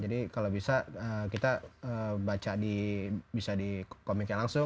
jadi kalau bisa kita baca di bisa di komiknya langsung